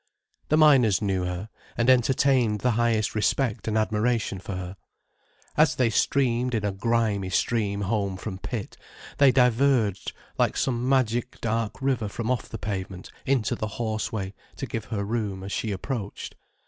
The miners knew her, and entertained the highest respect and admiration for her. As they streamed in a grimy stream home from pit, they diverged like some magic dark river from off the pavement into the horse way, to give her room as she approached.